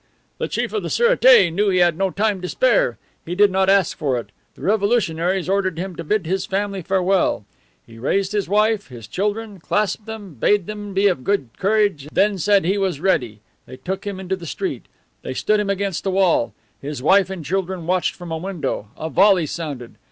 "The Chief of the Surete knew he had no time to spare. He did not ask for it. The revolutionaries ordered him to bid his family farewell. He raised his wife, his children, clasped them, bade them be of good courage, then said he was ready. They took him into the street. They stood him against a wall. His wife and children watched from a window. A volley sounded.